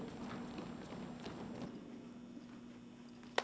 สวัสดีครับทุกคน